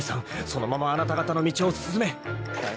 そのままあなた方の道を進め！］